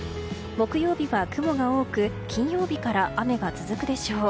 木曜日は雲が多く金曜日から雨が続くでしょう。